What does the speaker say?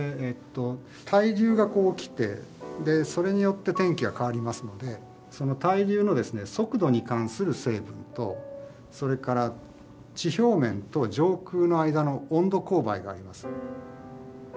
対流が起きてそれによって天気が変わりますのでその対流の速度に関する成分とそれから地表面と上空の間の温度勾配があります。